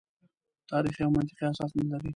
تاریخي او منطقي اساس نه لري.